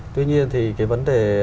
tuy nhiên thì cái vấn đề